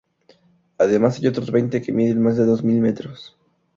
Además, hay otros veinte que miden más de dos mil metros.